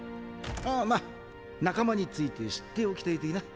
あま仲間について知っておきたい的な。